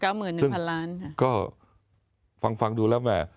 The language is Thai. เก้าหมื่นหนึ่งพันล้านซึ่งก็ฟังฟังดูแล้วไหม